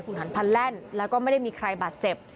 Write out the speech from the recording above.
คุณหันพันแล่นแล้วก็ไม่ได้มีใครบาดเจ็บ